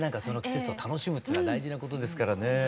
その季節を楽しむというのは大事なことですからね。